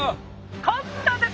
「こんなです」。